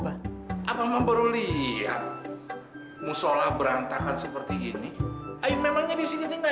baru lihat musolah berantakan seperti ini